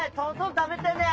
食べてね。